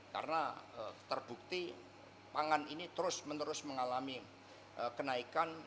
karena terbukti pangan ini terus menerus mengalami kenaikan